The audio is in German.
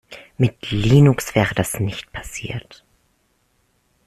Mit Linux wäre das nicht passiert!